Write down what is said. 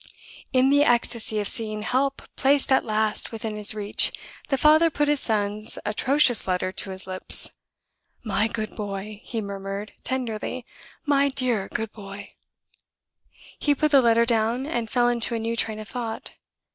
In the ecstasy of seeing help placed at last within his reach, the father put his son's atrocious letter to his lips. "My good boy!" he murmured, tenderly "my dear, good boy!" He put the letter down, and fell into a new train of thought.